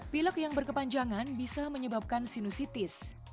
pilek yang berkepanjangan bisa menyebabkan sinusitis